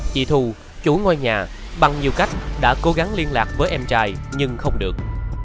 chị thù chủ ngôi nhà bằng nhiều cách đã cố gắng liên lạc với em trai nhưng không được